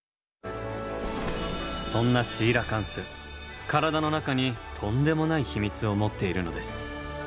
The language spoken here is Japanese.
そんなシーラカンス体の中にとんでもない秘密を持っているのです。